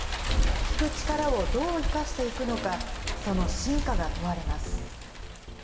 聞く力をどう生かしていくのか、その真価が問われます。